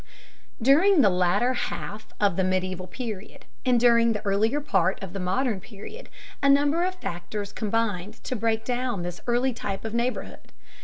During the latter half of the medieval period, and during the earlier part of the modern period, a number of factors combined to break down this early type of neighborhood.